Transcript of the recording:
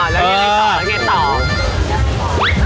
แล้วไงต่อ